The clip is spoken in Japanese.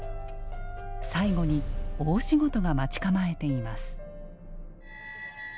最後に大仕事が待ち構えています。